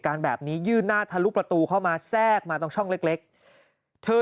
การแบบนี้ยื่นหน้าทะลุประตูเข้ามาแทรกมาตรงช่องเล็กเธอ